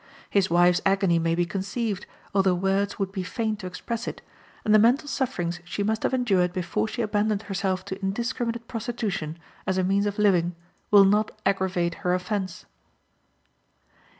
His wife's agony may be conceived, although words would be faint to express it, and the mental sufferings she must have endured before she abandoned herself to indiscriminate prostitution as a means of living will not aggravate her offense.